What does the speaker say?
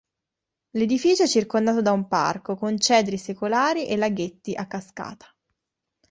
L'edificio è circondato da un parco con cedri secolari e laghetti a cascata.